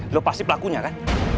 lo pasti pelakunya kan